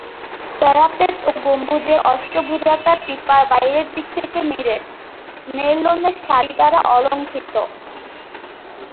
Parapet ও গম্বুজের অষ্টভুজাকার পিপার বাইরের দিক নিরেট মেরলোনের সারি দ্বারা অলঙ্কৃত।